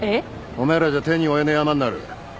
おめえらじゃ手に負えねえヤマになる。